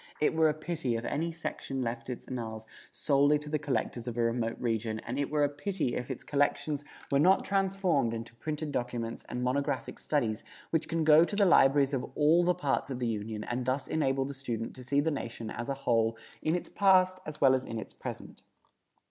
It were a pity if any section left its annals solely to the collectors of a remote region, and it were a pity if its collections were not transformed into printed documents and monographic studies which can go to the libraries of all the parts of the Union and thus enable the student to see the nation as a whole in its past as well as in its present.